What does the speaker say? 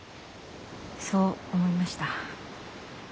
そう思いました。